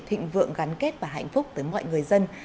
thịnh vượng gắn kết và hạnh phúc tới mọi người dân